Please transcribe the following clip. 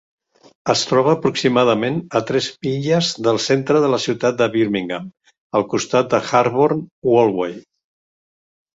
Es troba aproximadament a tres milles del centre de la ciutat de Birmingham, al costat de Harborne Walkway.